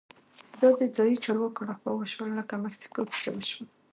دا د ځايي چارواکو لخوا وشول لکه مکسیکو کې چې وشول.